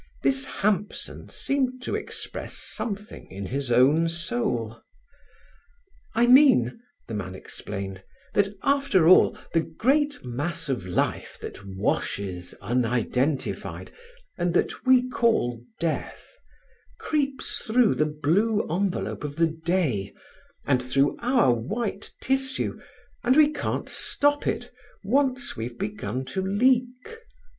This Hampson seemed to express something in his own soul. "I mean," the man explained, "that after all, the great mass of life that washes unidentified, and that we call death, creeps through the blue envelope of the day, and through our white tissue, and we can't stop it, once we've begun to leak."